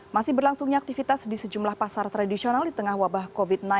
masih berlangsungnya aktivitas di sejumlah pasar tradisional di tengah wabah covid sembilan belas